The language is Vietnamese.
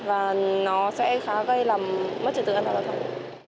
và nó sẽ khá gây làm mất trường tượng an toàn giao thông